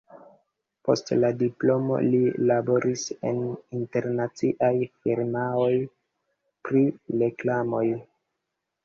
Post la diplomo li laboris en internaciaj firmaoj pri reklamoj.